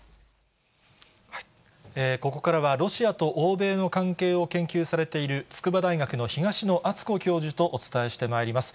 ここからは、ロシアと欧米の関係を研究されている、筑波大学の東野篤子教授とお伝えしてまいります。